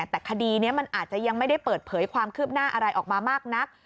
แต่คดีนี้มันอาจจะยังไม่ได้เปิดเผยความคืบหน้าอะไรออกมามากนัก